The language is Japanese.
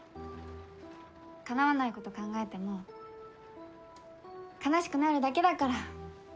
かなわないこと考えても悲しくなるだけだから。